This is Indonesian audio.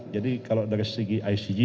jadi kalau dari segi icg